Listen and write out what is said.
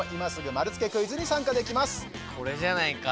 これじゃないか？